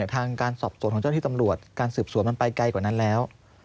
ทางการสอบสวนของเจ้าที่ตำรวจการสืบสวนมันไปไกลกว่านั้นแล้ว